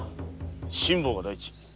辛抱が第一。